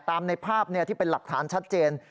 ตามในภาพที่เป็นหลักฐานชัดเจน